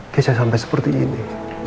keisha sampai seperti ini